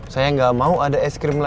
saya gak mau ada es krim lainnya